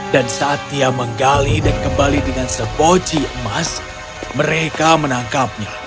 saat dia menggali dan kembali dengan sepoji emas mereka menangkapnya